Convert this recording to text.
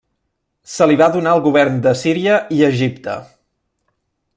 Se li va donar el govern de Síria i Egipte.